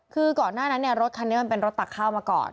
คือก่อนหน้านั้นเนี่ยรถคันนี้มันเป็นรถตักข้าวมาก่อน